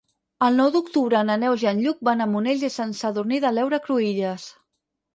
El nou d'octubre na Neus i en Lluc van a Monells i Sant Sadurní de l'Heura Cruïlles.